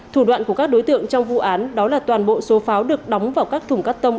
thủ đoạn của các đối tượng trong vụ án đó là toàn bộ số pháo được đóng vào các thùng cắt tông